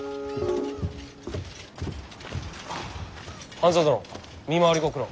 半蔵殿見回りご苦労。